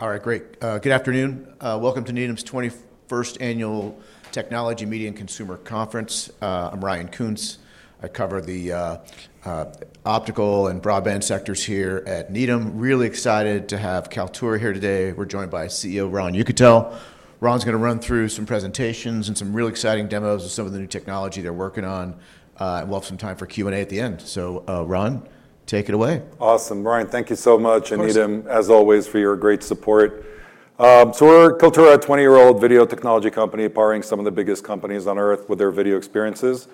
All right, great. Good afternoon. Welcome to Needham's 21st Annual Technology, Media, and Consumer Conference. I'm Ryan Koontz. I cover the optical and broadband sectors here at Needham. Really excited to have Kaltura here today. We're joined by CEO Ron Yekutiel. Ron's gonna run through some presentations and some real exciting demos of some of the new technology they're working on. We'll have some time for Q&A at the end. Ron, take it away. Awesome. Ryan, thank you so much. Of course. Needham & Company as always for your great support. We're Kaltura, a 20-year-old video technology company powering some of the biggest companies on Earth with their video experiences.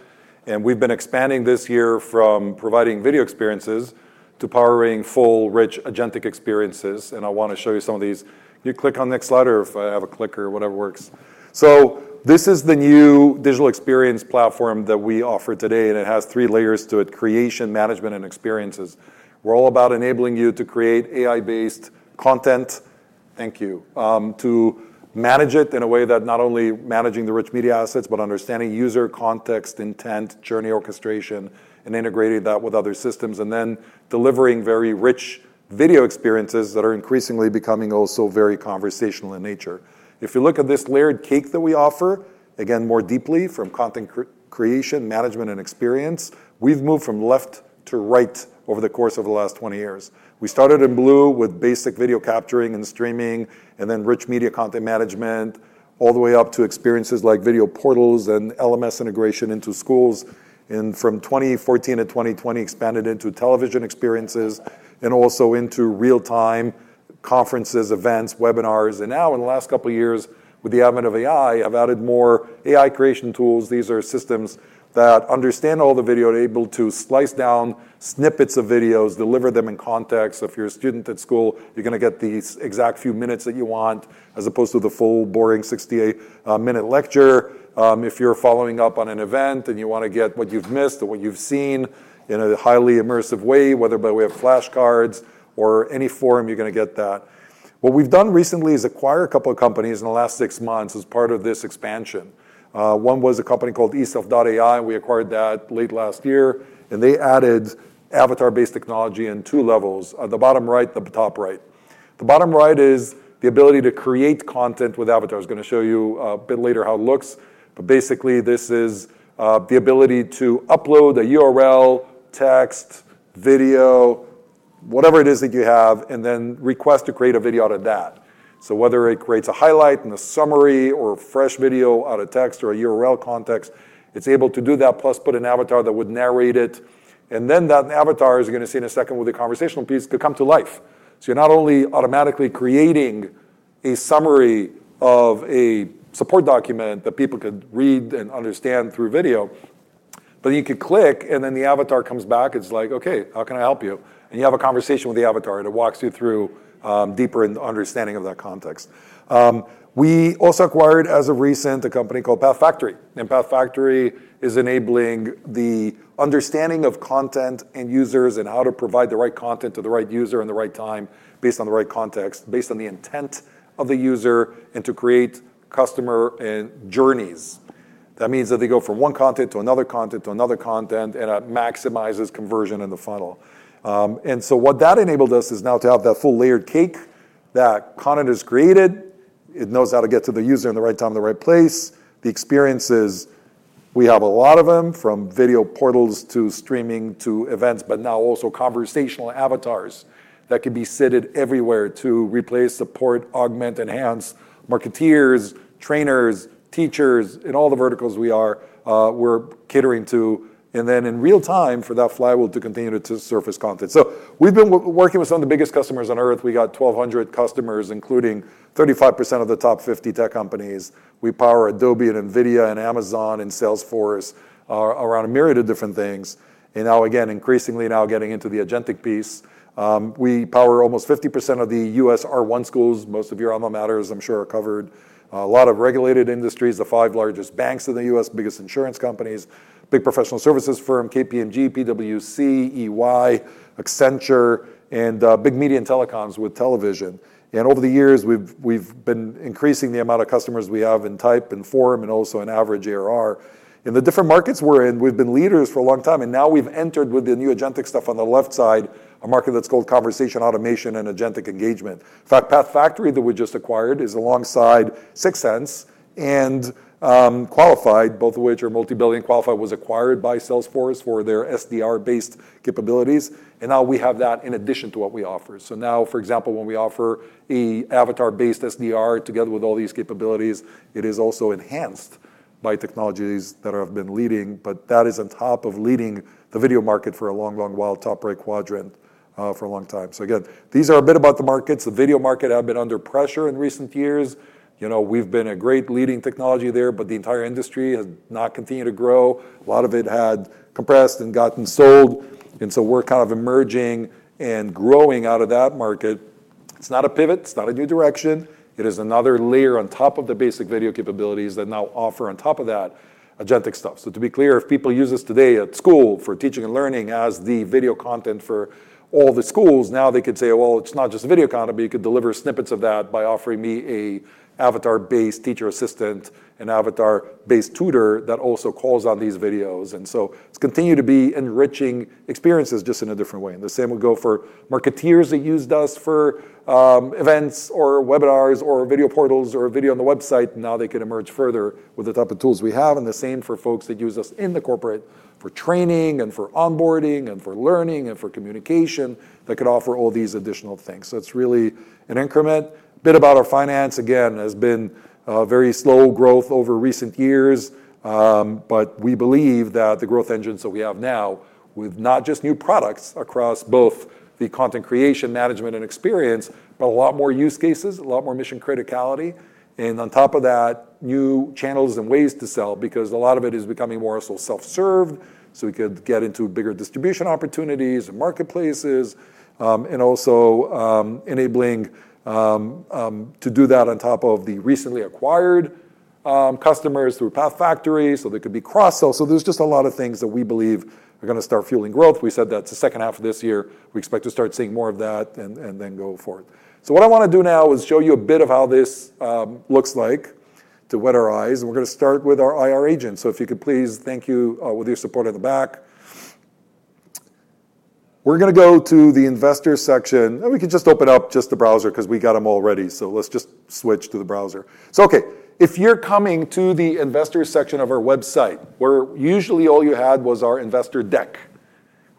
We've been expanding this year from providing video experiences to powering full, rich agentic experiences, and I wanna show you some of these. You can click on next slide or if I have a clicker, whatever works. This is the new digital experience platform that we offer today, and it has three layers to it: creation, management, and experiences. We're all about enabling you to create AI-based content. Thank you. To manage it in a way that not only managing the rich media assets, but understanding user context, intent, journey orchestration, and integrating that with other systems, and then delivering very rich video experiences that are increasingly becoming also very conversational in nature. If you look at this layered cake that we offer, more deeply from content creation, management, and experience, we've moved from left to right over the course of the last 20 years. We started in blue with basic video capturing and streaming, then rich media content management, all the way up to experiences like video portals and LMS integration into schools. From 2014 to 2020 expanded into television experiences, and also into real-time conferences, events, webinars. Now in the last couple of years, with the advent of AI, have added more AI creation tools. These are systems that understand all the video, are able to slice down snippets of videos, deliver them in context. If you're a student at school, you're gonna get these exact few minutes that you want as opposed to the full boring 68-minute lecture. If you're following up on an event and you want to get what you've missed or what you've seen in a highly immersive way, whether by way of flashcards or any form, you're going to get that. What we've done recently is acquire a couple of companies in the last six months as part of this expansion. One was a company called eSelf.ai, and we acquired that late last year, and they added avatar-based technology in two levels, the bottom right and the top right. The bottom right is the ability to create content with avatars. I was going to show you a bit later how it looks. Basically, this is the ability to upload a URL, text, video, whatever it is that you have, and then request to create a video out of that. Whether it creates a highlight and a summary or fresh video out of text or a URL context, it's able to do that, plus put an avatar that would narrate it. That avatar, as you're gonna see in a second with the conversational piece, could come to life. You're not only automatically creating a summary of a support document that people could read and understand through video, but you could click, and then the avatar comes back. It's like, "Okay, how can I help you?" You have a conversation with the avatar, and it walks you through deeper in the understanding of that context. We also acquired as of recent a company called PathFactory. PathFactory is enabling the understanding of content and users and how to provide the right content to the right user in the right time based on the right context, based on the intent of the user and to create customer journeys. That means that they go from one content to another content to another content, and that maximizes conversion in the funnel. What that enabled us is now to have that full layered cake, that content is created. It knows how to get to the user in the right time, the right place. The experiences, we have a lot of them, from video portals to streaming to events, but now also conversational avatars that can be seated everywhere to replace, support, augment, enhance marketeers, trainers, teachers in all the verticals we are catering to. In real-time for that flywheel to continue to surface content. We've been working with some of the biggest customers on Earth. We got 1,200 customers, including 35% of the top 50 tech companies. We power Adobe and NVIDIA and Amazon and Salesforce around a myriad of different things. Now again, increasingly now getting into the agentic piece. We power almost 50% of the U.S. R1 schools. Most of your alma maters I'm sure are covered. A lot of regulated industries, the five largest banks in the U.S., biggest insurance companies, big professional services firm, KPMG, PwC, EY, Accenture, and big media and telecoms with television. Over the years, we've been increasing the amount of customers we have in type and form and also in average ARR. In the different markets we're in, we've been leaders for a long time, and now we've entered with the new agentic stuff on the left side, a market that's called conversation automation and agentic engagement. In fact, PathFactory, that we just acquired, is alongside 6sense and Qualified, both of which are multi-billion. Qualified was acquired by Salesforce for their SDR-based capabilities, and now we have that in addition to what we offer. Now, for example, when we offer a avatar-based SDR together with all these capabilities, it is also enhanced by technologies that have been leading, but that is on top of leading the video market for a long, long while, top right quadrant, for a long time. Again, these are a bit about the markets. The video market have been under pressure in recent years. You know, we've been a great leading technology there, but the entire industry has not continued to grow. A lot of it had compressed and gotten sold. We're kind of emerging and growing out of that market. It's not a pivot, it's not a new direction. It is another layer on top of the basic video capabilities that now offer on top of that agentic stuff. So to be clear, if people use this today at school for teaching and learning as the video content for all the schools, now they could say, "Well, it's not just video content, but you could deliver snippets of that by offering me an avatar-based teacher assistant and avatar-based tutor that also calls on these videos." It's continued to be enriching experiences, just in a different way. The same would go for marketers that used us for events or webinars or video portals or a video on the website. Now they can emerge further with the type of tools we have, and the same for folks that use us in the corporate for training and for onboarding and for learning and for communication that could offer all these additional things. It's really an increment. Bit about our finance, again, has been very slow growth over recent years. We believe that the growth engines that we have now with not just new products across both the content creation, management, and experience, but a lot more use cases, a lot more mission criticality, and on top of that, new channels and ways to sell because a lot of it is becoming more so self-served, so we could get into bigger distribution opportunities and marketplaces, and also enabling to do that on top of the recently acquired customers through PathFactory so they could be cross-sold. There's just a lot of things that we believe are gonna start fueling growth. We said that's the second half of this year. We expect to start seeing more of that and then go forth. What I want to do now is show you a bit of how this looks like to wet our eyes, and we're gonna start with our IR agent. If you could please thank you, with your support at the back. We're gonna go to the investor section, and we can just open up just the browser 'cause we got 'em already, so let's just switch to the browser. Okay, if you're coming to the investor section of our website, where usually all you had was our investor deck.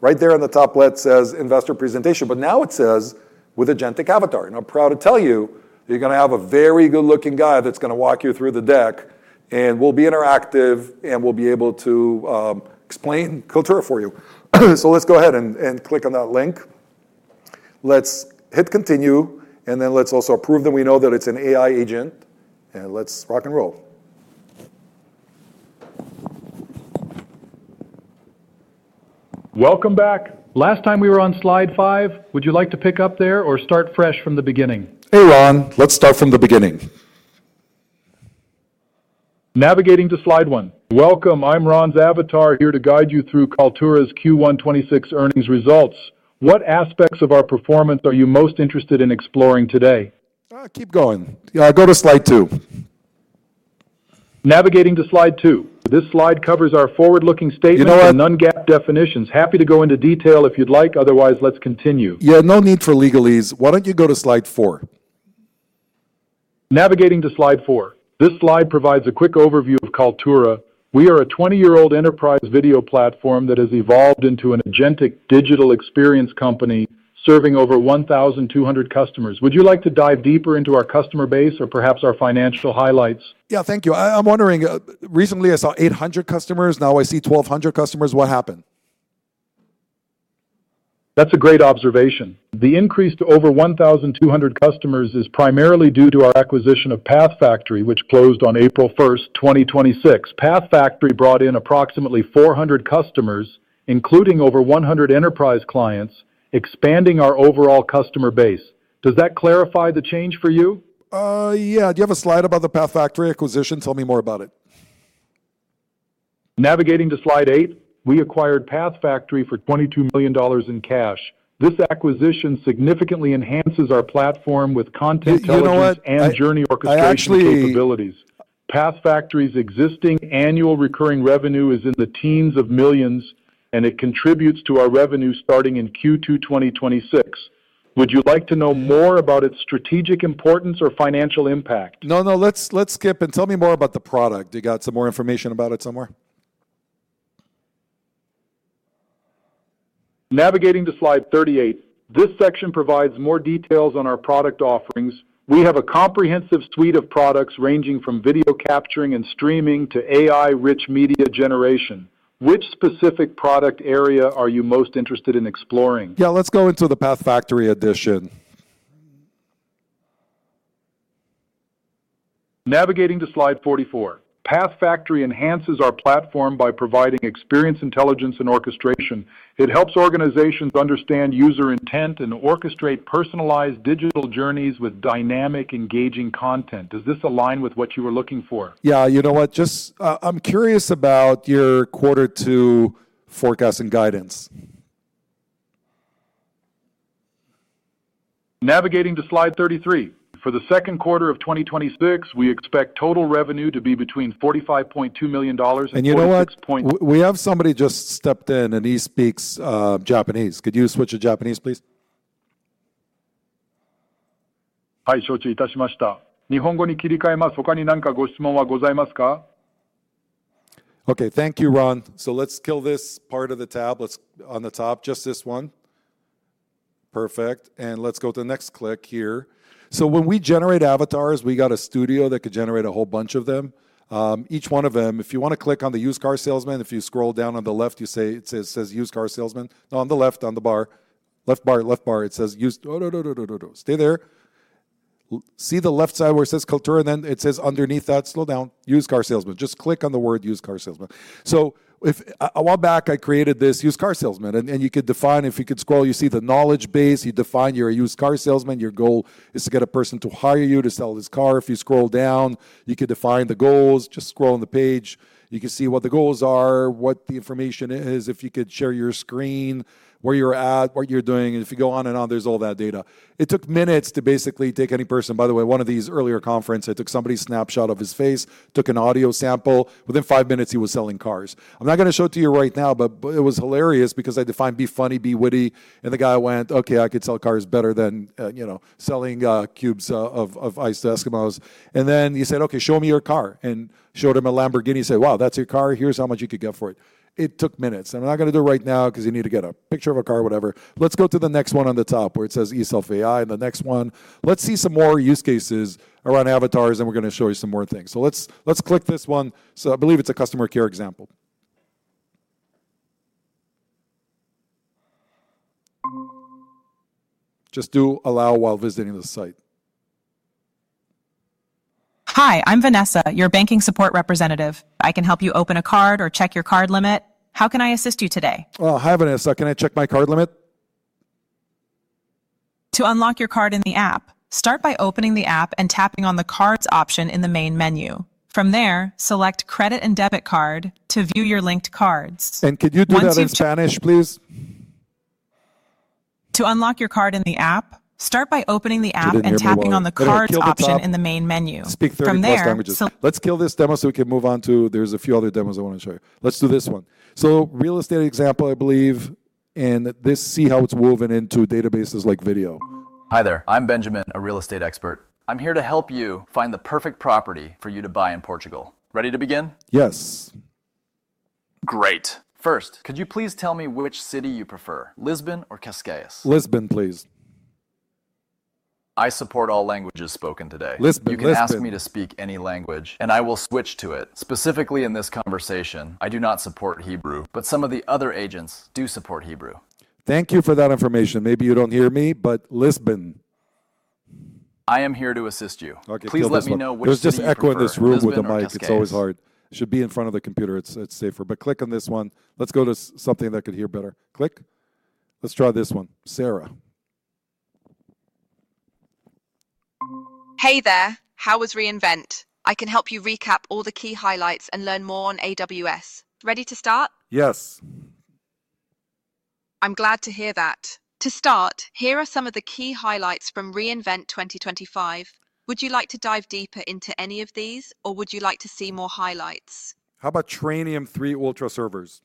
Right there on the top left says Investor Presentation, but now it says with Agentic Avatar. I'm proud to tell you that you're gonna have a very good-looking guy that's gonna walk you through the deck, and we'll be interactive, and we'll be able to explain Kaltura for you. Let's go ahead and click on that link. Let's hit Continue, and then let's also approve that we know that it's an AI agent, and let's rock and roll. Welcome back. Last time we were on slide five. Would you like to pick up there or start fresh from the beginning? Hey, Ron. Let's start from the beginning. Navigating to slide one. Welcome. I'm Ron's avatar here to guide you through Kaltura's Q1 2026 earnings results. What aspects of our performance are you most interested in exploring today? Keep going. Yeah, go to slide two. Navigating to slide two. This slide covers our forward-looking statements. You know what? Non-GAAP definitions. Happy to go into detail if you'd like. Otherwise, let's continue. Yeah, no need for legalese. Why don't you go to slide four? Navigating to slide 4. This slide provides a quick overview of Kaltura. We are a 20-year-old enterprise video platform that has evolved into an agentic digital experience company serving over 1,200 customers. Would you like to dive deeper into our customer base or perhaps our financial highlights? Yeah, thank you. I'm wondering, recently I saw 800 customers. Now I see 1,200 customers. What happened? That's a great observation. The increase to over 1,200 customers is primarily due to our acquisition of PathFactory, which closed on April 1st, 2026. PathFactory brought in approximately 400 customers, including over 100 enterprise clients, expanding our overall customer base. Does that clarify the change for you? Yeah. Do you have a slide about the PathFactory acquisition? Tell me more about it. Navigating to slide eight. We acquired PathFactory for $22 million in cash. This acquisition significantly enhances our platform with content intelligence— You know what? I actually— Journey orchestration capabilities. PathFactory's existing annual recurring revenue is in the teens of millions, and it contributes to our revenue starting in Q2 2026. Would you like to know more about its strategic importance or financial impact? No, let's skip and tell me more about the product. You got some more information about it somewhere? Navigating to slide 38. This section provides more details on our product offerings. We have a comprehensive suite of products ranging from video capturing and streaming to AI-rich media generation. Which specific product area are you most interested in exploring? Yeah, let's go into the PathFactory addition. Navigating to slide 44. PathFactory enhances our platform by providing experience intelligence and orchestration. It helps organizations understand user intent and orchestrate personalized digital journeys with dynamic, engaging content. Does this align with what you were looking for? Yeah, you know what? Just, I'm curious about your quarter two forecast and guidance. Navigating to slide 33. For the second quarter of 2026, we expect total revenue to be between $45.2 million and 46 point— You know what? We have somebody just stepped in, and he speaks Japanese. Could you switch to Japanese, please? Okay. Thank you, Ron. Let's kill this part of the tab. Let's on the top, just this one. Perfect. Let's go to the next click here. When we generate avatars, we got a studio that could generate a whole bunch of them. Each one of them, if you wanna click on the used car salesman, if you scroll down on the left, you say it says used car salesman. No, on the left, on the bar. Left bar, it says used. Oh, no, no, no. Stay there. See the left side where it says Kaltura, and then it says underneath that. Slow down. Used car salesman. Just click on the word used car salesman. A while back, I created this used car salesman, and you could define. If you could scroll, you see the knowledge base. You define you're a used car salesman. Your goal is to get a person to hire you to sell this car. If you scroll down, you could define the goals. Just scroll on the page. You can see what the goals are, what the information is, if you could share your screen, where you're at, what you're doing. If you go on and on, there's all that data. It took minutes to basically take any person. By the way, one of these earlier conference, I took somebody snapshot of his face, took an audio sample. Within five minutes, he was selling cars. I'm not gonna show it to you right now, but it was hilarious because I defined be funny, be witty, and the guy went, "Okay, I could sell cars better than, you know, selling cubes of ice to Eskimos." Then you said, "Okay, show me your car," and showed him a Lamborghini. He said, "Wow, that's your car? Here's how much you could get for it." It took minutes. I'm not gonna do it right now 'cause you need to get a picture of a car, whatever. Let's go to the next one on the top where it says eSelf.ai And the next one. Let's see some more use cases around avatars, and we're gonna show you some more things. Let's click this one. I believe it's a customer care example. Just do allow while visiting the site. Hi, I'm Vanessa, your banking support representative. I can help you open a card or check your card limit. How can I assist you today? Oh, hi, Vanessa. Can I check my card limit? To unlock your card in the app, start by opening the app and tapping on the cards option in the main menu. From there, select credit and debit card to view your linked cards. Could you do that in Spanish, please? To unlock your card in the app, start by opening the app and tapping on the cards option in the main menu. You didn't hear me well. I'm gonna kill the top. Speak 30+ languages. Let's kill this demo so we can move on to There's a few other demos I wanna show you. Let's do this one. Real estate example, I believe, and this, see how it's woven into databases like video. Hi there. I'm Benjamin, a real estate expert. I'm here to help you find the perfect property for you to buy in Portugal. Ready to begin? Yes. Great. First, could you please tell me which city you prefer, Lisbon or Cascais? Lisbon, please. I support all languages spoken today. Lisbon. Lisbon. You can ask me to speak any language, and I will switch to it. Specifically in this conversation, I do not support Hebrew, but some of the other agents do support Hebrew. Thank you for that information. Maybe you don't hear me, but Lisbon. I am here to assist you. Okay. Kill this one. Please let me know which city you prefer? It was just echo in this room with the mics. It's always hard. Should be in front of the computer. It's safer. Click on this one. Let's go to something that could hear better. Click. Let's try this one. Sarah. Hey there. How was re:Invent? I can help you recap all the key highlights and learn more on AWS. Ready to start? Yes. I'm glad to hear that. To start, here are some of the key highlights from re:Invent 2025. Would you like to dive deeper into any of these, or would you like to see more highlights? How about Trainium3 UltraServers?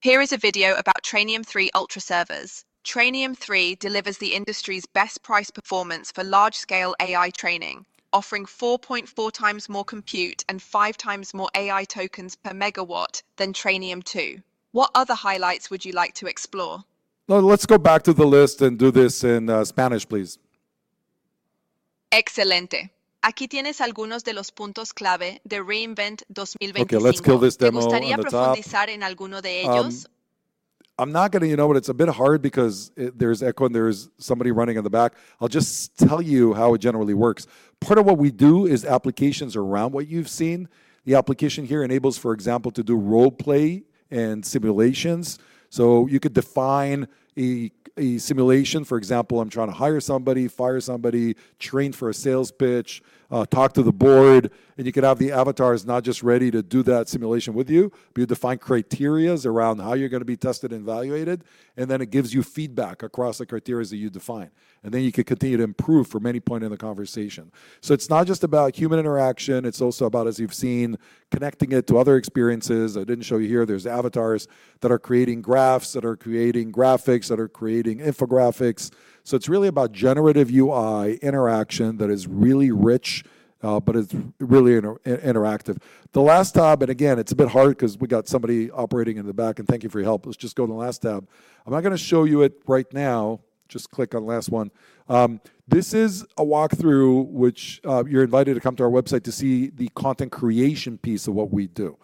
Here is a video about Trainium3 UltraServers. Trainium3 delivers the industry's best price performance for large scale AI training, offering 4.4x more compute and 5x more AI tokens per megawatt than Trainium2. What other highlights would you like to explore? Let's go back to the list and do this in Spanish, please. Okay, let's kill this demo on the top. I'm not gonna You know what? It's a bit hard because there's echo, and there's somebody running in the back. I'll just tell you how it generally works. Part of what we do is applications around what you've seen. The application here enables, for example, to do role play and simulations. You could define a simulation. For example, I'm trying to hire somebody, fire somebody, train for a sales pitch, talk to the board, and you could have the avatars not just ready to do that simulation with you, but you define criterias around how you're gonna be tested and evaluated, and then it gives you feedback across the criterias that you define. You can continue to improve from any point in the conversation. It's not just about human interaction. It's also about, as you've seen, connecting it to other experiences. I didn't show you here. There's avatars that are creating graphs, that are creating graphics, that are creating infographics. It's really about generative UI interaction that is really rich, but is really inter-interactive. The last tab, and again, it's a bit hard because we got somebody operating in the back, and thank you for your help. Let's just go to the last tab. I'm not gonna show you it right now. Just click on last one. This is a walkthrough which you're invited to come to our website to see the content creation piece of what we do.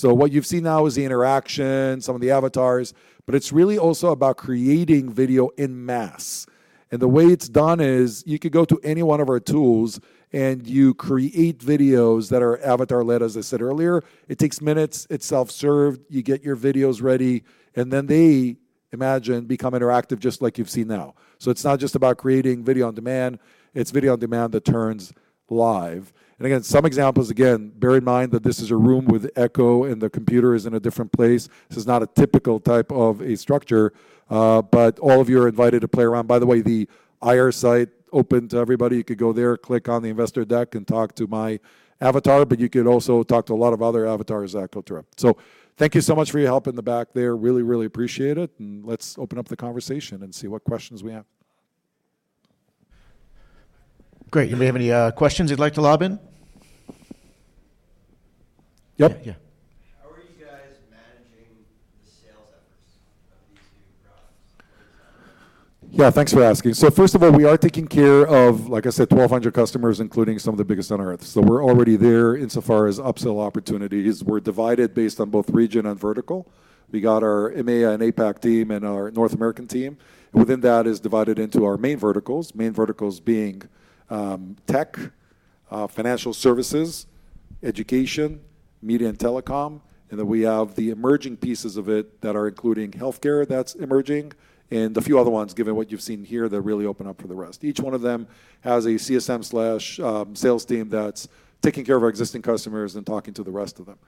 What you've seen now is the interaction, some of the avatars, but it's really also about creating video in mass. The way it's done is you could go to any one of our tools, and you create videos that are avatar-led, as I said earlier. It takes minutes. It's self-served. You get your videos ready, and then they immediately become interactive just like you've seen now. It's not just about creating video on demand. It's video on demand that turns live. Again, some examples. Again, bear in mind that this is a room with echo, and the computer is in a different place. This is not a typical type of a structure, but all of you are invited to play around. By the way, the IR site open to everybody. You could go there, click on the investor deck, and talk to my avatar, but you could also talk to a lot of other avatars at Kaltura. Thank you so much for your help in the back there. Really appreciate it, and let's open up the conversation and see what questions we have. Great. Anybody have any questions you'd like to lob in? Yep. Yeah. How are you guys managing the sales efforts of these new products over time? Yeah, thanks for asking. First of all, we are taking care of, like I said, 1,200 customers, including some of the biggest on earth. We're already there insofar as upsell opportunities. We're divided based on both region and vertical. We got our EMEA and APAC team and our North American team. Within that is divided into our main verticals, main verticals being, tech, financial services, education, media and telecom, and then we have the emerging pieces of it that are including healthcare that's emerging and a few other ones, given what you've seen here, that really open up for the rest. Each one of them has a CSM/sales team that's taking care of our existing customers and talking to the rest of them.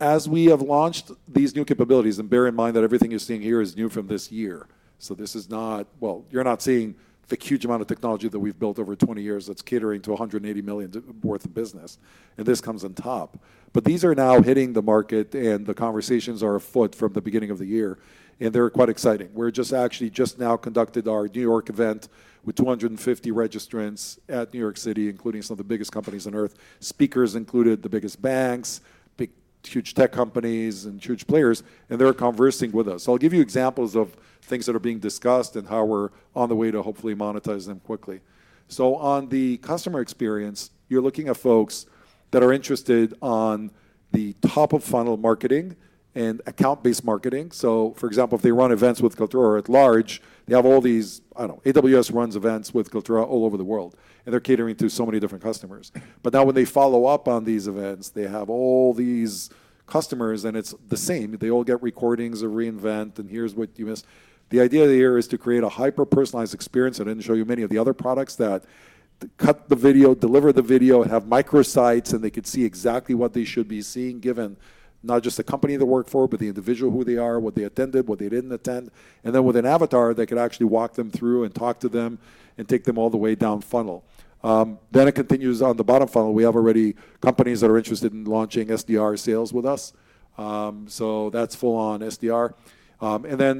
As we have launched these new capabilities. Bear in mind that everything you're seeing here is new from this year. You're not seeing the huge amount of technology that we've built over 20 years that's catering to $180 million worth of business. This comes on top. These are now hitting the market, and the conversations are afoot from the beginning of the year, and they're quite exciting. We're just now conducted our New York event with 250 registrants at New York City, including some of the biggest companies on earth. Speakers included the biggest banks, big, huge tech companies and huge players. They're conversing with us. I'll give you examples of things that are being discussed and how we're on the way to hopefully monetize them quickly. On the customer experience, you're looking at folks that are interested on the top-of-funnel marketing and account-based marketing. For example, if they run events with Kaltura at large, they have all these AWS runs events with Kaltura all over the world, and they're catering to so many different customers. Now when they follow up on these events, they have all these customers, and it's the same. They all get recordings of re:Invent, and here's what you missed. The idea here is to create a hyper-personalized experience. I didn't show you many of the other products that cut the video, deliver the video, have microsites, and they could see exactly what they should be seeing, given not just the company they work for, but the individual, who they are, what they attended, what they didn't attend. With an avatar, they could actually walk them through and talk to them and take them all the way down funnel. It continues on the bottom funnel. We have already companies that are interested in launching SDR sales with us. That's full-on SDR.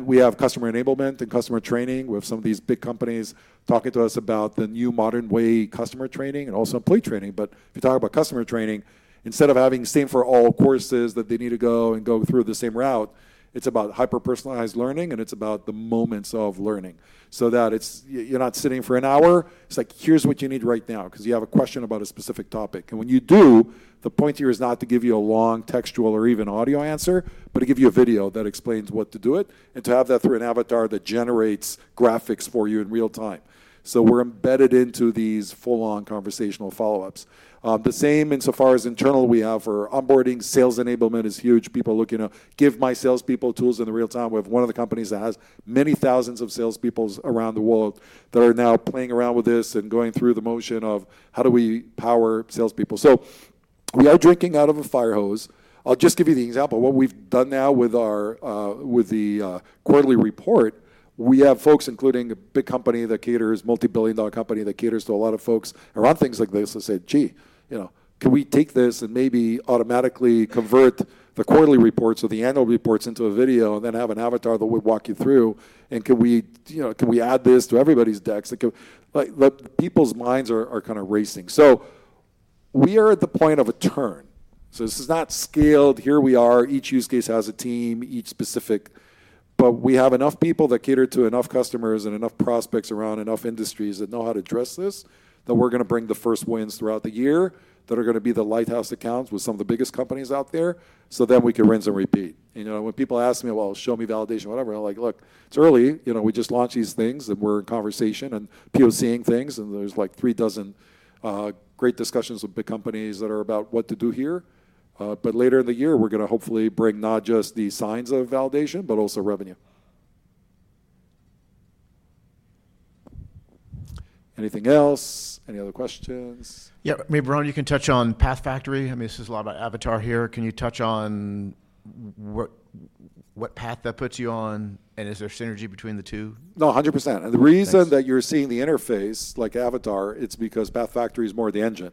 We have customer enablement and customer training. We have some of these big companies talking to us about the new modern way customer training and also employee training. If you talk about customer training, instead of having same for all courses that they need to go and go through the same route, it's about hyper-personalized learning, and it's about the moments of learning, so that you're not sitting for an hour. It's like, "Here's what you need right now," 'cause you have a question about a specific topic. When you do, the point here is not to give you a long textual or even audio answer, but to give you a video that explains what to do it and to have that through an avatar that generates graphics for you in real time. We're embedded into these full-on conversational follow-ups. The same insofar as internal we have for onboarding. Sales enablement is huge. People are looking to give my salespeople tools in the real time. We have one of the companies that has many thousands of salespeople around the world that are now playing around with this and going through the motion of how do we power salespeople. We are drinking out of a fire hose. I'll just give you the example. What we've done now with our with the quarterly report, we have folks, including a big company that caters, multi-billion dollar company that caters to a lot of folks around things like this and said, "Gee, you know, can we take this and maybe automatically convert the quarterly reports or the annual reports into a video and then have an avatar that would walk you through?" Can we, you know, can we add this to everybody's decks? People's minds are kind of racing. We are at the point of a turn. This is not scaled. Here we are. Each use case has a team, each specific. We have enough people that cater to enough customers and enough prospects around enough industries that know how to address this, that we're going to bring the first wins throughout the year that are going to be the lighthouse accounts with some of the biggest companies out there, so then we can rinse and repeat. You know, when people ask me, "Well, show me validation," whatever, I'm like, "Look, it's early. You know, we just launched these things, and we're in conversation and POC-ing things, and there's like three dozen great discussions with big companies that are about what to do here. Later in the year, we're going to hopefully bring not just the signs of validation, but also revenue." Anything else? Any other questions? Yeah. Maybe, Ron, you can touch on PathFactory. I mean, this is a lot about Avatar here. Can you touch on what path that puts you on, and is there synergy between the two? No, 100%. Thanks. That you're seeing the interface like Avatar, it's because PathFactory is more the engine.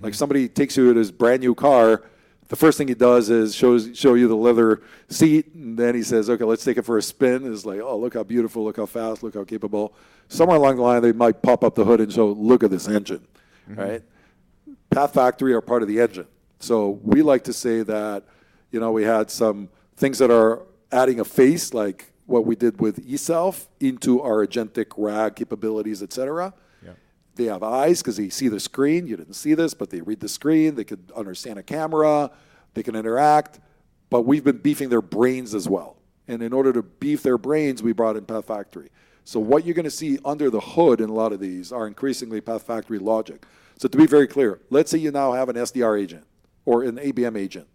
Like, somebody takes you to this brand-new car, the first thing he does is show you the leather seat. He says, "Okay, let's take it for a spin." It's like, "Oh, look how beautiful. Look how fast. Look how capable." Somewhere along the line, they might pop up the hood and show, "Look at this engine," right? PathFactory are part of the engine. We like to say that, you know, we had some things that are adding a face, like what we did with eSelf, into our agentic RAG capabilities, et cetera. Yeah. They have eyes 'cause they see the screen. You didn't see this, but they read the screen. They can understand a camera. They can interact. We've been beefing their brains as well. In order to beef their brains, we brought in PathFactory. What you're gonna see under the hood in a lot of these are increasingly PathFactory logic. To be very clear, let's say you now have an SDR agent or an ABM agent.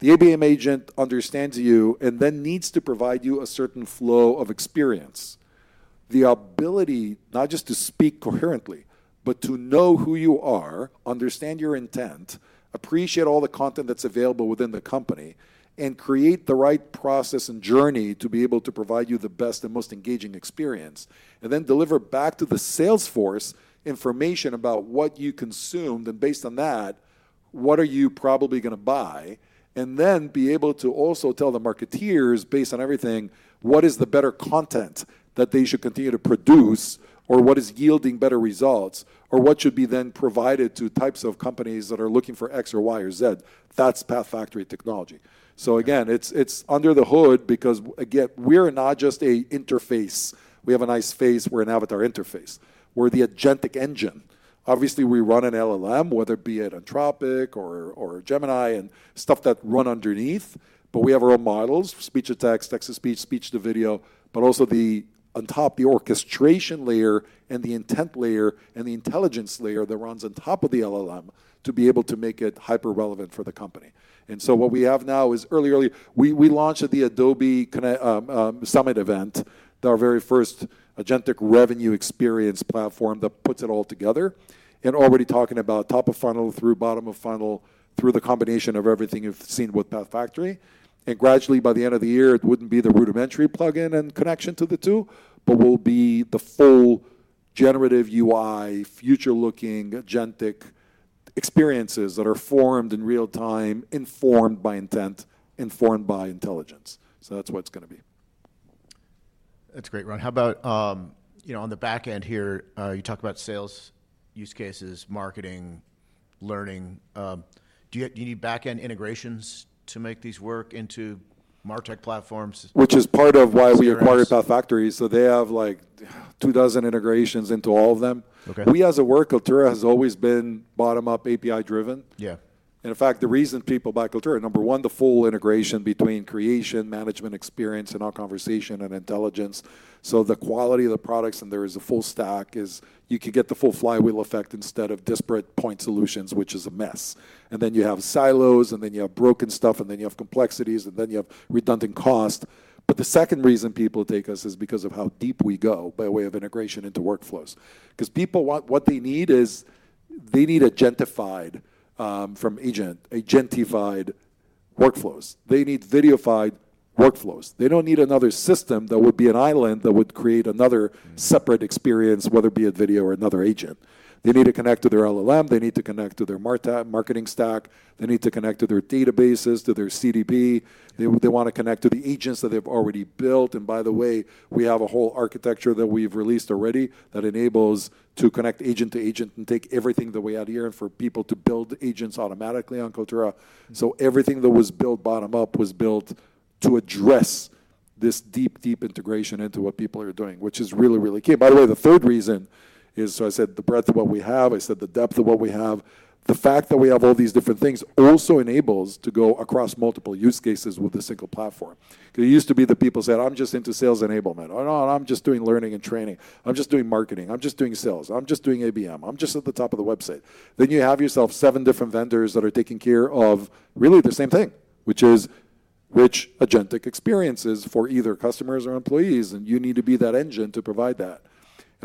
The ABM agent understands you and then needs to provide you a certain flow of experience. The ability not just to speak coherently, but to know who you are, understand your intent, appreciate all the content that's available within the company, and create the right process and journey to be able to provide you the best and most engaging experience, and then deliver back to the Salesforce information about what you consumed, and based on that, what are you probably gonna buy? Then be able to also tell the marketeers, based on everything, what is the better content that they should continue to produce, or what is yielding better results, or what should be then provided to types of companies that are looking for X or Y or Z. That's PathFactory technology. Again, it's under the hood because, again, we're not just a interface. We have a nice face. We're an avatar interface. We're the agentic engine. Obviously, we run an LLM, whether it be at Anthropic or Gemini and stuff that run underneath, but we have our own models, speech-to-text, text-to-speech, speech-to-video, but also the on top, the orchestration layer and the intent layer and the intelligence layer that runs on top of the LLM to be able to make it hyper-relevant for the company. What we have now is early. We launched at the Adobe Summit event, our very first agentic revenue experience platform that puts it all together and already talking about top of funnel through bottom of funnel through the combination of everything you've seen with PathFactory. Gradually, by the end of the year, it wouldn't be the rudimentary plugin and connection to the two, but will be the full-generative UI, future-looking, agentic experiences that are formed in real time, informed by intent, informed by intelligence. That's what it's gonna be. That's great, Ron. How about, you know, on the back end here, you talk about sales use cases, marketing, learning. Do you need backend integrations to make these work into MarTech platforms? Which is part of why we acquired PathFactory. They have, like, two dozen integrations into all of them. Okay. Kaltura has always been bottom-up API driven. Yeah. In fact, the reason people buy Kaltura, number one, the full integration between creation, management, experience, and our conversation and intelligence. The quality of the products, and there is a full stack, is you can get the full flywheel effect instead of disparate point solutions, which is a mess. You have silos, and then you have broken stuff, and then you have complexities, and then you have redundant cost. The second reason people take us is because of how deep we go by way of integration into workflows. Because what they need is they need agentified workflows. They need videofied workflows. They don't need another system that would be an island that would create another separate experience, whether it be a video or another agent. They need to connect to their LLM. They need to connect to their marketing stack. They need to connect to their databases, to their CDP. They want to connect to the agents that they've already built. By the way, we have a whole architecture that we've released already that enables to connect agent to agent and take everything that we have here and for people to build agents automatically on Kaltura. Everything that was built bottom up was built to address this deep integration into what people are doing, which is really, really key. By the way, the third reason is, I said the breadth of what we have, I said the depth of what we have. The fact that we have all these different things also enables to go across multiple use cases with a single platform. It used to be that people said, "I'm just into sales enablement." Or, "No, I'm just doing learning and training. I'm just doing marketing. I'm just doing sales. I'm just doing ABM. I'm just at the top of the website." You have yourself seven different vendors that are taking care of really the same thing, which is rich agentic experiences for either customers or employees, and you need to be that engine to provide that.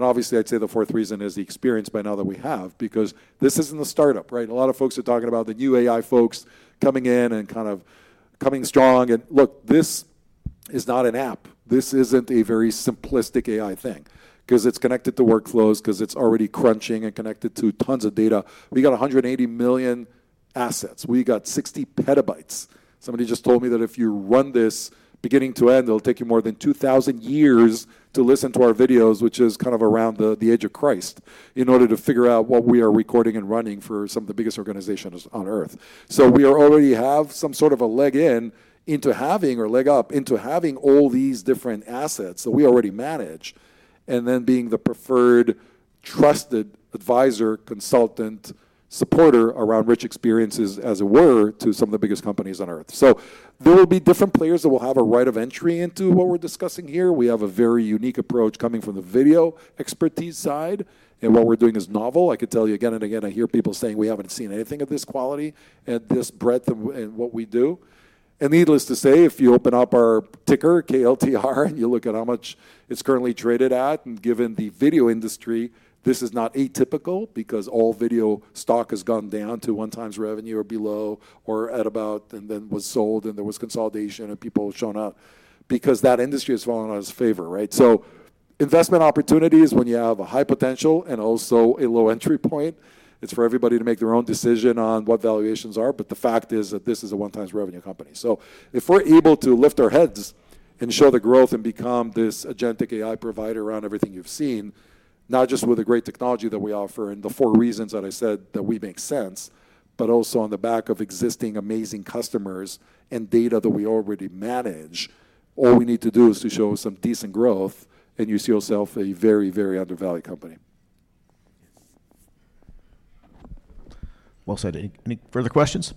Obviously, I'd say the fourth reason is the experience by now that we have because this isn't a startup, right? A lot of folks are talking about the new AI folks coming in and kind of coming strong. Look, this is not an app. This isn't a very simplistic AI thing 'cause it's connected to workflows, 'cause it's already crunching and connected to tons of data. We got 180 million assets. We got 60 PB. Somebody just told me that if you run this beginning to end, it'll take you more than 2,000 years to listen to our videos, which is kind of around the age of Christ, in order to figure out what we are recording and running for some of the biggest organizations on Earth. We already have some sort of a leg into having, or leg up into having all these different assets that we already manage, and then being the preferred, trusted advisor, consultant, supporter around rich experiences, as it were, to some of the biggest companies on Earth. There will be different players that will have a right of entry into what we're discussing here. We have a very unique approach coming from the video expertise side, and what we're doing is novel. I could tell you again and again, I hear people saying we haven't seen anything of this quality and this breadth of in what we do. Needless to say, if you open up our ticker, KLTR, and you look at how much it's currently traded at, and given the video industry, this is not atypical because all video stock has gone down to 1x revenue or below or at about, and then was sold, and there was consolidation, and people have shown up because that industry has fallen out of favor, right? Investment opportunities when you have a high potential and also a low entry point, it's for everybody to make their own decision on what valuations are. The fact is that this is a 1x revenue company. If we're able to lift our heads and show the growth and become this agentic AI provider around everything you've seen, not just with the great technology that we offer and the four reasons that I said that we make sense, but also on the back of existing amazing customers and data that we already manage, all we need to do is to show some decent growth, and you see yourself a very, very undervalued company. Well said. Any further questions?